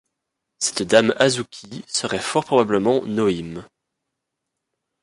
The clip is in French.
Cette dame Azuchi serait fort probablement Nō-hime.